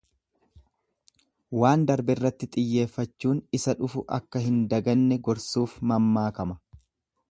waan darberratti xiyyeeffachuun isa dhufu akka hin daganne gorsuuf mammaakama.